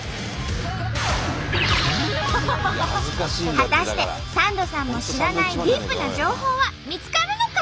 果たしてサンドさんも知らないディープな情報は見つかるのか？